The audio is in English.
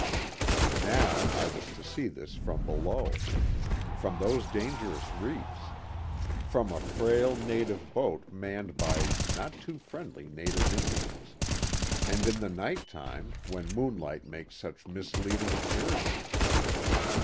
Now, I was to see this from below. From those dangerous reefs. From a frail native boat manned by not too friendly native Indians. And in the night time, when moonlight makes such misleading appearances.